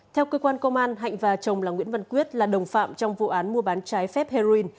theo cơ quan công an hạnh và chồng là nguyễn văn quyết là đồng phạm trong vụ án mua bán trái phép heroin